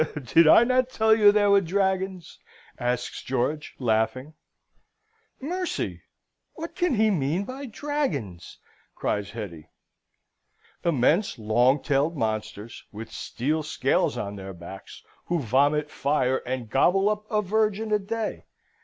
Did I not tell you there were dragons?" asks George, laughing. "Mercy! What can he mean by dragons?" cries Hetty. "Immense, long tailed monsters, with steel scales on their backs, who vomit fire, and gobble up a virgin a day.